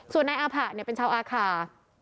ส่วนนายอาผะเป็นชาวอาคา